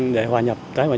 để hòa nhập với cộng đồng